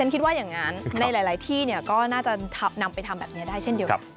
คิดว่าอย่างนั้นในหลายที่ก็น่าจะนำไปทำแบบนี้ได้เช่นเดียวกัน